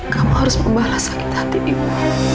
kamu harus membalas sakit hati ibu